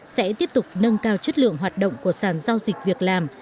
sẽ tiếp tục nâng cao chất lượng hoạt động của sàn giao dịch việc làm